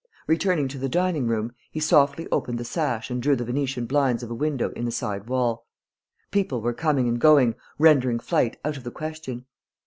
Returning to the dining room, he softly opened the sash and drew the Venetian blinds of a window in the side wall. People were coming and going, rendering flight out of the question.